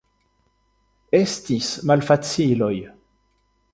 Estis malfaciloj.